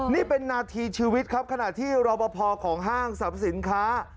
นี่เป็นนาทีชีวิตครับขณะที่รอปภของห้างสรรพสินค้า